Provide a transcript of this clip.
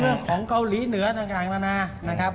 เรื่องของเกาหลีเหนือต่างนานานะครับ